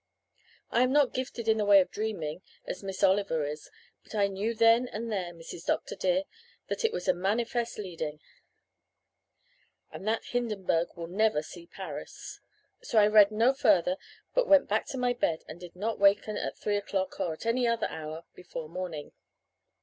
I am not gifted in the way of dreaming, as Miss Oliver is, but I knew then and there, Mrs. Dr. dear, that it was a manifest leading, and that Hindenburg will never see Paris. So I read no further but went back to my bed and I did not waken at three o'clock or at any other hour before morning.'